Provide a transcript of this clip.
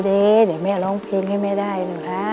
เดดดิเดี๋ยวแม่ลงเพลงให้แม่ได้หนูนะ